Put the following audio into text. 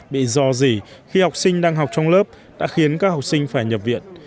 bị dò dỉ khi học sinh đang học trong lớp đã khiến các học sinh phải nhập viện